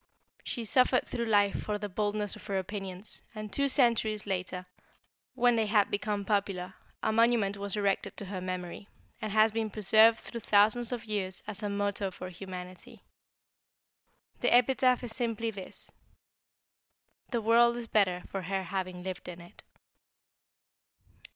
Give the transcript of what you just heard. She suffered through life for the boldness of her opinions, and two centuries after, when they had become popular, a monument was erected to her memory, and has been preserved through thousands of years as a motto for humanity. The epitaph is simply this: 'The world is better for her having lived in it.'"